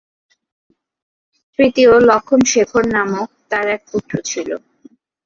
তৃতীয় লক্ষ্মণ শেখর নামক তাঁর এক পুত্র ছিল।